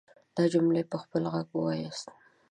دا جملې په خپل غږ وواياست.